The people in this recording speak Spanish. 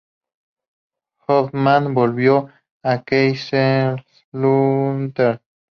Hoffmann volvió a Kaiserslautern.